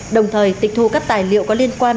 đồng thời tịch thu các tài liệu có liên quan